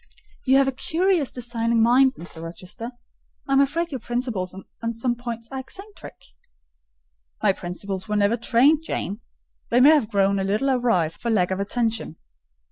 "You have a curious, designing mind, Mr. Rochester. I am afraid your principles on some points are eccentric." "My principles were never trained, Jane: they may have grown a little awry for want of attention."